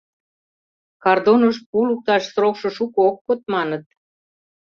Кардоныш пу лукташ срокшо шуко ок код, маныт.